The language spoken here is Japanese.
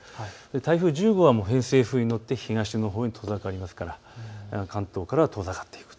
台風１０号は偏西風に乗って東のほうに遠ざかりますから関東からは遠ざかっていくと。